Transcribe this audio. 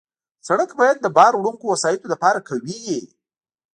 سړک باید د بار وړونکو وسایطو لپاره قوي وي.